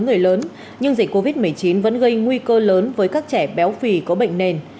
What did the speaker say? người lớn nhưng dịch covid một mươi chín vẫn gây nguy cơ lớn với các trẻ béo phì có bệnh nền